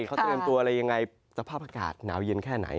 เขาเตรียมตัวอะไรยังไงสภาพอากาศหนาวเย็นแค่ไหน